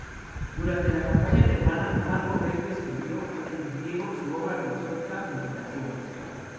Durante la campaña germana, Marco Aurelio escribió en griego su obra filosófica "Meditaciones".